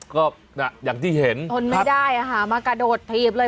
ก็อย่างที่เห็นทนไม่ได้มากระโดดถีบเลย